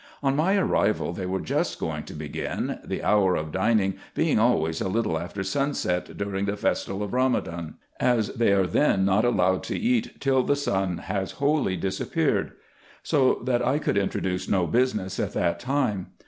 On my arrival they were just going to begin, the hour of dining being always a little after sunset during the festival of Ramadan, as they are then not allowed to eat till the sun has wholly disappeared ; so that I could introduce no business at that time.